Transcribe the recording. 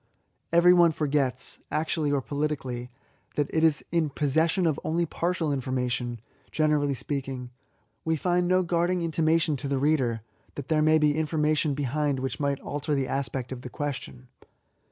Everyone forgets, actually or politicly, that it is in possession of only partial information, generally speaking ; we find no guard ing intimation to the reader, that there may be 68 £S»AYS. information behind which might alter the aspect of the question.